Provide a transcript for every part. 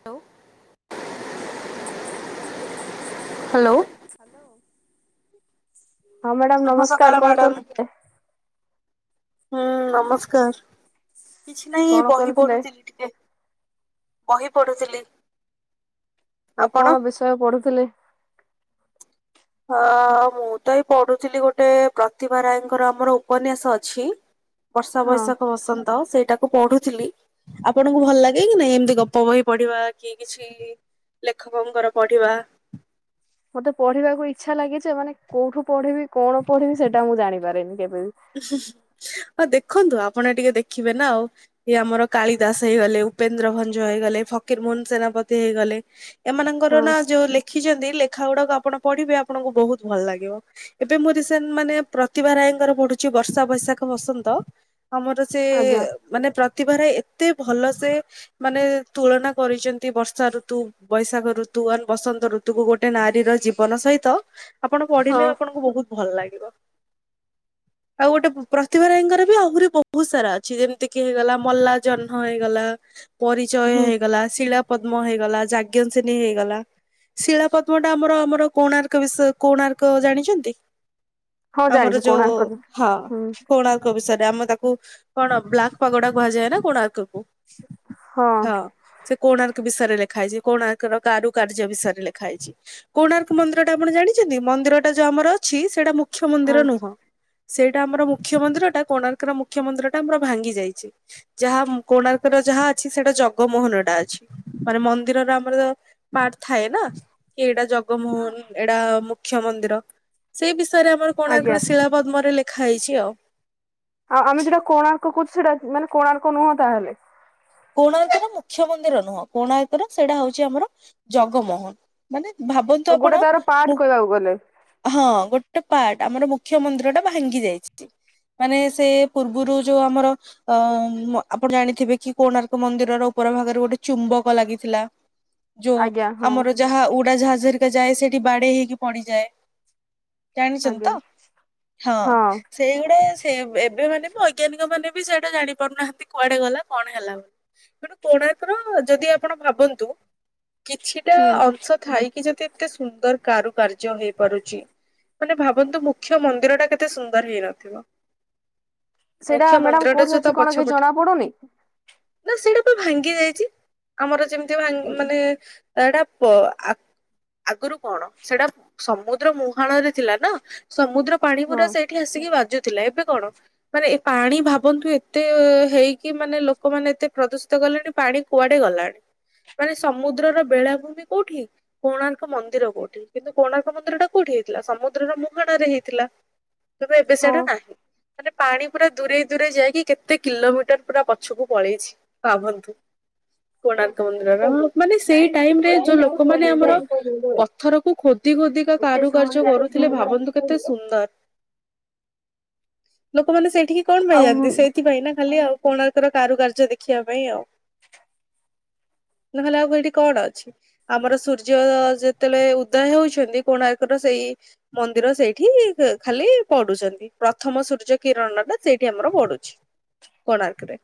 Hello. ହ ହ hello. Hello ହଁ ମ୍ୟାଡାମ ଶୁଭ ସକାଳ ନମସ୍କାର କଣ ମ୍ୟାଡାମ କରୁଥିଲେ। ହୁଁ ନମସ୍କାର କିଛି ନାଇଁ କଣ ବହି କରୁଥିଲେ ପଢୁଥିଲି ଟିକେ ବହି ପଢୁଥିଲି। ଆଉ ଆପଣ? କଣ ବିଷୟ ପଢୁଥିଲେ। ଅ ମୁଁ ତ ଏଇ ପଢୁଥିଲି ଗୋଟେ ପ୍ରତିଭା ରାୟଙ୍କର ଆମର ଉପନ୍ୟାସ ଅଛି। ବର୍ଷା ହଁ ବୈଶାଖ ବସନ୍ତ ସେଇଟା ମୁ ପଢୁଥିଲି ଆପଣଙ୍କୁ ଭଲ ଲାଗେ କି ନାଇଁ ଏମିତି ଗପ ବହି ପଢିବା କି କିଛି ଲେଖକଙ୍କର ପଢିବା। ମତେ ପଢିବାକୁ ଇଚ୍ଛା ଲାଗିଛ ମାନେ କୋଉଠୁ ପଢିବି କଣ ପଢିବି ସେଇଟା ମୁଁ ଜାଣିପାରେିନି କେବେ ବି। ହଁ ଦେଖନ୍ତୁ ଆପଣ ଟିକେ ଦେଖିବେ ନା ଆଉ। ଇ ଆମର କାଳି ଦାସ ହେଇଗଲେ ଉପେନ୍ଦ୍ର ଭଞ୍ଜ ହେଇଗଲେ ଫକୀର ମୋହନ ସେନାପତି ହେଇଗଲେ। ଏମାନଙ୍କର ହଁ ନା ଯୋଉ ଲେଖିଛନ୍ତି ଲେଖା ଗୁଡାକ ଆପଣ ପଢିବେ ଆପଣଙ୍କୁ ବହୁତ ଭଲ ଲାଗିବ। ଏବେ ମୁରି ସେନ୍ ମାନେ ପ୍ରତିଭା ରାୟଙ୍କର ପଢୁ କିଛି ବର୍ଷା ବୈଶାଖ ବସନ୍ତ ଆମର ସେ ଆଜ୍ଞା ମାନେ ପ୍ରତିଭାରେ ଏତେ ଭଲ ସେ ମାନେ ତୁଳନା କରିଛନ୍ତି ବର୍ଷା ଋତୁ ବୈଶାଖ ଋତୁ ଆ ବସନ୍ତ ଋତୁକୁ ଗୋଟେ ଗୋଟେ ନାରୀର ଜୀବନ ସହିତ ଆପଣ ପଢିଲେ ହଁ ଆପଣଙ୍କୁ ବହୁତ ଭଲ ଲାଗିବ। ଆଉ ଗୋଟେ ପ୍ରତିଭାରାଇୀଙ୍କର ବି ଆହୁରି ବହୁତ ସାରା ଅଛି ଯେମିତିକି ହେଇଗଲା ମଲା ଜହ୍ନ ହେଇଗଲା ପରିଚୟ ହୁଁ ହେଇଗଲା ଶିଳା ପଦ୍ମ ହେଇଗଲା ଯଜ୍ଞସିନୀ ହେଇଗଲା। ଶିଳା ପଦ୍ମ ଟା ଆମର ଆମର କୋଣାର୍କ ବିଷୟ କୋଣାର୍କ ଜାଣିଛନ୍ତି? ହଁ ଆମର ଜାଣିଛି ଯୋଉ କୋଣାର୍କ ରେ ହଁ କୋଣାର୍କ ବିଷୟରେ ଆମ ତାକୁ କଣ ବ୍ଲାକ୍ ପାଗୋଡା କୁହାଯାଏ ନା କୋଣାର୍କ କୁ। ହଁ। ସେ କୋଣାର୍କ ବିଷୟରେ ଲେଖା ହେଇଛି କୋଣାର୍କ ର କାରୁକାର୍ଯ୍ୟ ବିଷୟରେ ଲେଖା ହେଇଛି। କୋଣାର୍କ ମନ୍ଦିର ଟା ଆପଣ ଜାଣିଛନ୍ତି ମନ୍ଦିରଟା ଯୋଉ ଆମର ଅଛି ସେଇଟା ମୁଖ୍ୟ ହଁ ମନ୍ଦିର ନୁହଁ। ସେଇଟା ଆମର ମୁଖ୍ୟମନ୍ଦିର ଟା କୋଣାର୍କର ମୁଖ୍ୟମନ୍ଦିର ଟା ଆମର ଭାଙ୍ଗି ଯାଇଛି। ଯାହା କୋଣାର୍କର ଯାହା ଅଛି ସେଟା ଜଗମୋହନଟା ଅଛି। ମାନେ ମନ୍ଦିରର ଆମର ପାଠ ଥାଏ ନା କି ଏଇଟା ଜଗ ଜମୋହନ ଏଟା ମୁଖ୍ୟ ମନ୍ଦିର ସେଇ ବିଷୟରେ ଆମର ଆଜ୍ଞା କୋଣାର୍କରେ ଶିଳା ପଦ୍ମରେ ଲେଖ ଖାଇଛି ଆଉ। ଆଉ ଆମେ ଯଉଟା କୋଣାର୍କ କହୁଛୁ ସେଇଟା ମାନେ କୋଣାର୍କ ନୁହଁ ତାହଲେ? କୋଣାର୍କନ ମୁଖ୍ୟ ମନ୍ଦିର ନୁହଁ କୋଣାର୍କନ ସେଇଟା ହଉଛି ଆମର ଜଗମୋହନ। ମାନେ ଭାବନ୍ତୁ ଗୋଟେ ଆପଣ ତାର ପାର୍ଟ ମୁଁ କହିବାକୁ ଗଲେ ହଁ ଗୋଟେ ପାର୍ଟ ଆମର ମୁଖ୍ୟ ମନ୍ଦିର ଟା ଭାଙ୍ଗି ଯାଇଛି। ମାନେ ସେ ପୂର୍ବରୁ ଯୋଉ ଆମର ଅ ଆପଣ ଜାଣିଥିବେ କି? କୋଣାର୍କ ମନ୍ଦିରର ଉପର ଭାଗରେ ଗୋଟେ ଚୁମ୍ବକ ଲାଗିଥିଲା ଯୋଉ ଆଜ୍ଞା ହଁ ଆମର ଯାହା ଉଡାଜାହାଜରିକା ଯାଏ ସେଠି ବାଡେଇ ହେଇକି ପଡିଯାଏ। ଜାଣିଚନ୍ତିତ ଆଜ୍ଞା ହଁ। ସେଇଗୁଡା ସେ ଏବେ ମାନେ ବି ବୈଜ୍ଞାନିକ ମାନେ ବି ସେଇଟା ଜାଣି ପାରୁନାହାନ୍ତି କୁଆଡେ ଗଲା କଣ ହେଲା ବୋଲି ତେଣୁ କୋଣାର୍କ ର ଯଦି ଆପଣ ଭାବନ୍ତୁ? କିଛିଟା ହୁଁ। ଅର୍ଥ ଥାଇ କିି ଯଦି ଏତେ ସୁନ୍ଦର କାରୁକାର୍ଯ୍ୟ ହେଇପାରୁଛି। ମାନେ ଭାବନ୍ତୁ ମୁଖ୍ୟ ମନ୍ଦିର ଟା କେତେ ସୁନ୍ଦର ହେଇନଥିବ। ମୁଖ୍ୟ ମନ୍ଦିରଟା ତା ପଛପଟେ ପୁଡୁନି। ନା ସେଇଟା ପା ଭାଙ୍ଗି ଯାଇଛି ଆମର ଯେମିତି ଭା ମାନେ ସେଇଟା ପ ଆ ଆଗରୁ କଣ ସେଟା ସମୁଦ୍ର ମୁହାଣ ରେ ଥିଲା ନା? ସମୁଦ୍ର ପାଣି ହଁ ପୁରା ସେଇଠି ଆସିକି ବାଜୁ ଥିଲା ଏବେ କଣ ମାନେ ଏ ପାଣି ଭାବନ୍ତୁ ଏତେ ହେଇକି ମାନେ ଲୋ ଲୋକମାନେ ଏତେ ପ୍ରଦୂଷିତ ଗଲେଣି ପାଣି କୁଆଡେ ଗଲାଣି। ମାନେ ସମୁଦ୍ରର ବେଳାଭୂମି କୋଉଠି କୋଣାର୍କ ମନ୍ଦିର କୋଉଠି। କିନ୍ତୁ କୋଣା ମନ୍ଦିର କୋଉଠି ହେଇଥିଲା ସମୁଦ୍ର ଟା କୋଉଠି ହେଇଥିଲା ସମୁଦ୍ରର ମୁହାଡରେ ହେଇଥିଲା। ତ ଏବେ ହଁ ସେଇଟା ନାହିଁ ମାନେ ପାଣି ପୁରା ଦୂରେଇ ଦୂରେ ଯାଇକି କେତେ କିଲୋମିଟର ପୁରା ପଛକୁ ପଳେଇଛି ଭାବନ୍ତୁ? କୋଣାର୍କ ମନ୍ଦିର ର ମାନେ ସେଇ ଟାଇରେ ଯୋଉ ଲୋକମାନେ ଆମର ପଥରକୁ ଖୋ [unintelligible] କାରୁକାର୍ଯ୍ୟ କରୁଥିଲେ ଭାବନ୍ତୁ। କେତେ ସୁନ୍ଦର ଲୋକମାନେ ସେ ଠିକେ କଣ ଆଉ ପାଇଁଯାନ୍ତି ସେଇଥିପାଇଁ ନା ଖାଲି ଆଉ କୋଣାର୍କର କାରୁକାର୍ଯ୍ୟ ଦେଖିବା ପାଇଁ ଆଉ। ନହେଲେ ଆଉ ହେଟି କଣ ଅଛି। ଆମର ସୂର୍ଯ୍ୟ ଯେତେବେଳେ ଉଦୟ ହଉଛନ୍ତି କୋଣାର୍କର ସେଇ ମନ୍ଦିର ସେଇଠି ଖ-ଖାଲି ପଡୁଛନ୍ତି। ପ୍ରଥମ ସୂର୍ଯ୍ୟ କିରଣ ଟା ସେଇଠି ଆମର ପଡୁଛି କୋଣାର୍କରେ।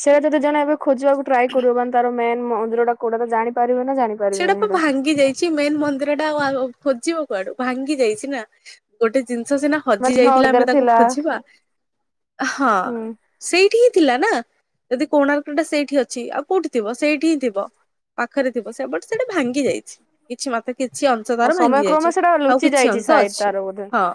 ସେଇଆ ଯଦି ଜଣେ ଏବେ ଖୋଜିବାକୁ ଟ୍ରାଏ କରିବ ମାନେ ତାର ମେନ୍ ମନ୍ଦିର ଟା କୋଉଟା ତ ଜାଣିପାରିବେ ନା ଜାଣି। ସେଇଟା ପ- ଭାଙ୍ଗି ଯାଇ ଛି ମେନ୍ ମନ୍ଦିର ଟା ଆଉ ଆଉ ଖୋଜିବ କୁଆଡୁ ଭାଙ୍ଗି ଯାଇଛି ନା। ଗୋଟେ ଜିନିଷ ସିନା ହଜି ମାନେ ନଅ ଯାଇଥିଲା ଆମେ ଏଗାର ତାକୁ ଥିଲା ଖୋଜିବା ହଁ। ହୁଁ ସେଇଠି ହିଁ ଥିଲା ନା ଯଦି କୋଣାର୍କ ଟା ସେଇଠି ଅଛି ଆଉ କୋଉଠି ଥିବ? ସେଇଠି ହିଁ ଥିବ। ପାଖରେ ଥିବ ସେ ବଟ୍ ସେଟା ଭାଙ୍ଗି ଯାଇଛି କିଛି ମୋତେ କିଛି ଅଂଶ ଆଉ ତାର ସମୟ ଭାଙ୍ଗି କ୍ରମେ ଯାଇଛି ସେଟା ଆଉ ଲୁଚି କିଛି ଯାଇଛି ଅଂଶ ସାୟଦ ଅଛି ତାର ବୋଧେ। ହଁ।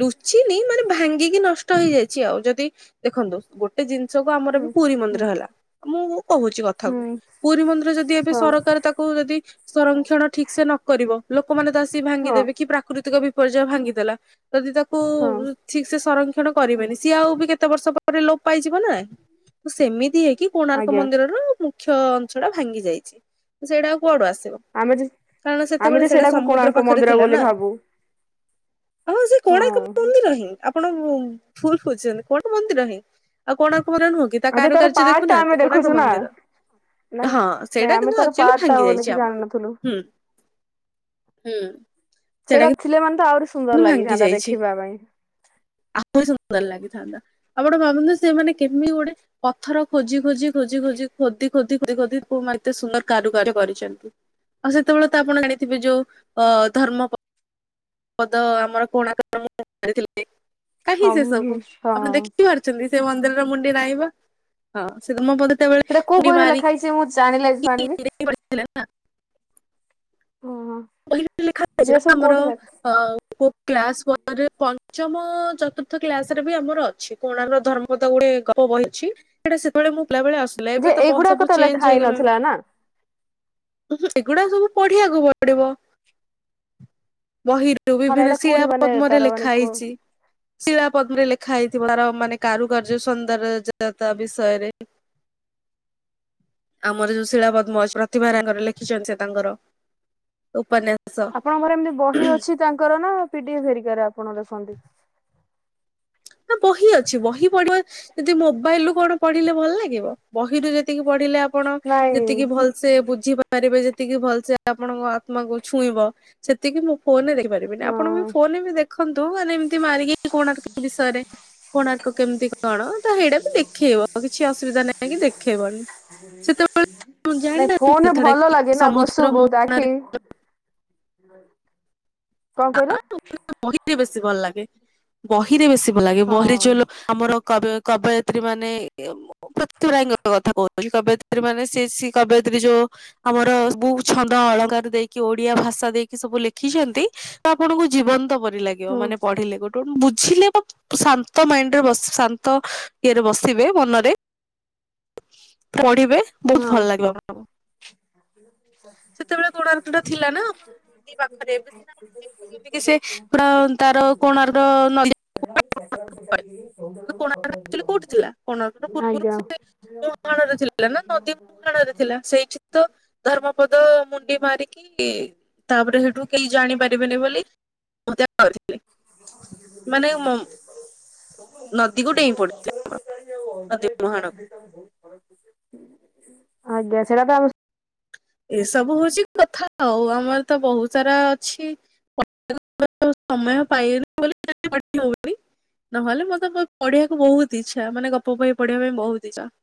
ଲୁଚିନି ମାନେ ଭାଙ୍ଗିକି ନଷ୍ଟ ହେଇଯାଇଛି ଆଉ ଯଦି ଦେଖନ୍ତୁ ଗୋ ଟେ ଜିନିଷକୁ ଆମର ହୁଁ ଏବେ ପୁରୀ ହୁଁ ମନ୍ଦିର ହେଲା। ମୁଁ କହୁଛି କଥାକୁ ହୁଁ ପୁରୀ ମନ୍ଦିର ଯଦି ଏବେ ହଁ କାର ତାକୁ ଯଦି ସଂରକ୍ଷଣ ଠିକ ସେ ନ କରିବ ଲୋକମାନେ ତ ଆସିକ ହଁ ଭାଙ୍ଗିଦେବେ। କି ପ୍ରାକୃତିକ ବି ପର୍ଯୟ ଭାଙ୍ଗିଦେଲା ଯଦି ତାକୁ ହଁ ଉଁ, ଠିକ ସେ ସଂରକ୍ଷଣ କରିବେନି। ସିଏ ଆଉ ବି କେତେ ବର୍ଷ ପରେ ଲୋପ ପାଇଯିବ ନା। ତ ସେମିତି ହେଇକି କୋଣାର୍କ ଆଜ୍ଞା ମନ୍ଦିରର ମୁଖ୍ୟ ଅଂଶ ଟା ଭାଙ୍ଗି ଯାଇଛି ତ ସେଇଟା ଆଉ କୁଆଡୁ ଆସିବ? ଆମେ ଯେ କାରଣ ଆମେ ସେତେବେଳେ ଯେ ସେଟା ସେଟାକୁ ସମୁଦ୍ର କୋଣାର୍କ ପାଖରେ ମନ୍ଦିର ଥିଲା ବୋଲି ନା? ଭାବୁ ହଁ ସେ କୋଣାର୍କ ହଁ। ମନ୍ଦିର ନାହିିଁ। ଆପଣ ମୁମ୍ ଭୁଲ ବୁଜିଛନ୍ତି କଣ ମନ୍ଦିର ହିଁ। ଆଉ କୋଣାର୍କ [inaudible] ନୁହଁ କି? ତା ଆଉ ଯେ ତାର କାରୁକାର୍ଯ୍ୟ ପାର୍ଟ ଟା ଆମେ ଦେଖୁନାହାନ୍ତି। କୋଣାର୍କ ଦେଖୁଛୁ ନା ମନ୍ଦିର ନାଇଁ ହଁ ନାଇଁ ସେଇଟା ହେ ଆମେ ନା ତାର ଆକ୍ଚୁଲି ପାର୍ଟ ଟା ଭାଙ୍ଗି ଯାଇଛି ବୋଲିକି ଆମର। ଜାଣିନଥିଲୁ। ହୁଁ, ହୁଁ ସେଟା କି ପିଲାମାନେ ତ ଆଉରି ଭାଙ୍ଗି ଯାଇଛି ଆହୁରି ସୁନ୍ଦର ଲାଗିଥାନ୍ତା। ଆପଣ ଭାବନ୍ତୁ ସେମାନେେ କେମିତି ଗୋଟେ ପଥର ଖୋଜି ଖୋଜି ଖୋଜି ଖୋଜି ଖୋଦି ଖୋଦି ଖୋଦି ଖୋଦି ପୁ- ମା ଏତେ ସୁନ୍ଦର କାରୁକାରିୟ କରିଛନ୍ତି। ଆଉ ସେତେବେଳେ ତ ଆପଣ ଜାଣିଥିବେ ଯୋଉ ଅ, ଧର୍ମପ ପଦ ଆମର କୋଣାର୍କ [inaudible] ମାରିଥିଲେ। କାହିଁ ହଁ ସେ ସବୁ ଆପଣ ହଁ। ଦେଖିବାର? ସେମତି ମନ୍ଦିରର ମୁଣ୍ଡି ନାଇ ବା। ହଁ ସେ ଧର୍ମପଦ ସେଟା କୋଉ ବହି ରେ ଲେଖା ହେଇଛି ମୁଁ ଜାଣିଲେ ଜାଣିବି? [inaudible] ଥିଲେ ନା। ହଁ। ବହିରେ ଲେଖା ଅଛି ଯେ ନା ସବୁ ଆମର କୋଉଠି ଲେଖା ଆଉ କୋଉ କ୍ଲାସ୍ [inaudible] ରେ ପଞ୍ଚମ ଚତୁର୍ଥ କ୍ଲାସ୍ ରେ ବି ଆମର ଅ ଛି କୋଣାର୍କ ଧର୍ମପଦ ଗୁଡେ ଗପ ବହି ଅଛି। ସେଟା ସେତେବେଳେ ମୁଁ ପିଲାବେଳେ ଆସୁ ହେଲେ ଯେ ଏବେ ତ ବହି ଏଇଗୁଡାକ ସବୁ ଲେଖା ଚେଞ୍ଜ ହେଇ ହେଇଗଲାଣି। ନଥିଲା ନା ଉଁହୁଁ, ଏଗୁଡା ସବୁ ପଢିବାକୁ ପଡିବ ବହିରୁ। ଯୋଉ ହଁ ନା ବିଭିନ୍ନ ଏଇଟା ଶିଳା କୋଉଠି ମାନେ ପଦ୍ମରେ ତାର ମାନେ ଲେଖା କୋ ହେଇଛି। ଶିଳା ପଦ୍ମରେ ଲେଖା ହେଇଥିବାର ମାନେ କାରୁକାର୍ଯ୍ୟ ସୌନ୍ଦର୍ଯ୍ୟତା ବିଷୟରେ। ଆମର ଯୋଉ ଶିଳା ପଦ୍ମ ପ୍ରତିଭା ରାଙ୍ଗରେ ଲେଖିଛନ୍ତି ସେ ତାଙ୍କର। ଉପନ୍ୟାସ। ଆପଣଙ୍କର ଏମିତି ବହି ଅଛି ତାଙ୍କର ନା ପିଡିଏଫ୍ ହେରିକାରେ ଆପଣ ଦେଖନ୍ତି? ନା ବହି ଅଛି। ବହି ପଢିବା ଯଦି ମୋବାଇଲ୍ ରୁ କଣ ପଢିଲେ ଭଲ ଲାଗିବ? ବହିରୁ ଯେତିକି ପଢିଲେ ଆପଣ ନାଇଁ ଯେତିକି ଭଲ ସେ ବୁଝିପାରିବେ ଯେତିକି ଭଲସେ ଆପଣଙ୍କ ଆତ୍ମାକୁ ଛୁଇଁବ ସେତିକି ମୁଁ ଫୋନ୍ ରେ ଦେଖିପା ରେବେନି ଆପଣ ହଁ ବି ଫୋନ୍ ରେ ବି ଦେଖନ୍ତୁ ମାନେ ଏମତି ମାରିକି କୋଣାର୍କ ବିଷୟରେ। କୋଣାର୍କ କେମିତି କଣ? ତ ସେଇଟା ବି ଦେଖେଇବ କିଛି ଅସୁବିଧା ନାହିଁ କି ଦେଖେଇବନି। ସେତେବେଳେ ନାଇ ଜାଣିନାହାନ୍ତି ଫୋନ୍ ରେ କଥାଟା ଭଲ କି ଲାଗେ ନା ସମୁଦ୍ର ବସୁ ବହୁତ ଆଖି ମୁହଁରେ କଣ କଇଲ? ବହିରେ ବେଶୀ ଭଲ ଲାଗେ ବହିରେ ବେଶୀ ଭଲ ଲାଗେ ବହିରେ ହଁ ଯୋ ଆମର କବିଅ କବୟତ୍ରୀ ମାନେ ପୃଥୀ ରାୟ ଙ୍କ କଥା କହୁଛି କବୟତ୍ରୀ ମାନେ ସେ ସେ କବୟତ୍ରୀ ଯୋଉ ଆମର ବୋ ଛନ୍ଦ ଅଳଙ୍କାର ଦେଇକି ଓଡିଆ ଭାଷା ଦେଇକି ସବୁ ଲେଖିଛନ୍ତି। ତ ଆପଣଙ୍କୁ ଜୀବନ୍ତ ପରି ଲାଗିବ ହଁ ମାନେ ପଢିଲେ ଗୋଟେ ଗୋଟେ ବୁଝିଲେ ଶାନ୍ତ ମାଇଣ୍ଡରେ ବସି ଶାନ୍ତ ଇଏରେ ବସିବେ ଭଲ ରେ ପଢ଼ିବେ ବହୁତ ହଁ ଭଲ ଲାଗିବ ଆପଣଙ୍କୁ। ସେତେବେଳେ କୋଣାର୍କ ଟା ଥିଲା ନା ଆମର ନଦୀ ପାଖରେ ଏବେ ସିନା [unintelligible] ଆପଣ ଦେଖୁଛନ୍ତି କି ସେ ପୁରା ତାର କୋଣାର୍କ ର ନଈ [unintelligible] ସେ [unintelligible] କୋଣାରକୋଉଠି ଥିଲା କୋଣାର୍କ ପୂର୍ବରୁ ଆଜ୍ଞା ସେ ମୁହାଣରେ ଥିଲା। ହେଲା ନଦୀ ମୁହାଣ ରେ ଥିଲା ସେଇଠି ତ ଧର୍ମପଦ ମୁଣ୍ଡି ମାରିକି ତାପରେ ସେଇଠୁ କେହି ଜାଣିପାରିବେନି ବୋଲି [unintelligible] ମାନେ [unintelligible] ନଦୀକୁ ଡେଇଁ ପଡୁଥିଲା ଆମର ନଦୀ ମହାଣ ଆଜ୍ଞା ସେଇଟା ତ ଏସବୁ ହଉଛି କଥା ନା ଆଉ ଆମର ତ ବହୁତ ସାରା ଅଛି ସମୟ ପାଇନି ବୋଲି [inaudible] ହବନି। ନହେଲେ ମତେ ପଢିବାକୁ ବହୁତ ଇଛା ମାନେ ଗପ ବହି ପଢିଆ ପାଇଁ ବହୁତ ଇଚ୍ଛା।